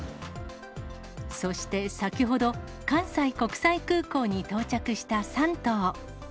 そして先ほど、関西国際空港に到着した３頭。